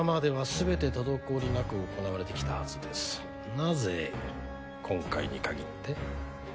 なぜ今回に限って？